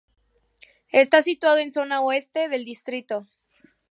Está situado en zona oeste del distrito.